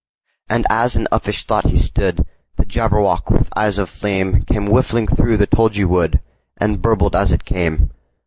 And as in uffish thought he stood, The Jabberwock, with eyes of flame, Came whiffling through the tulgey wood, And burbled as it came!